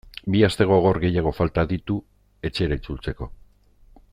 Bi aste gogor gehiago falta ditu etxera itzultzeko.